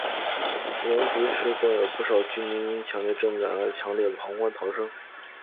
延吉市更有不少居民因震感强烈而慌忙逃生。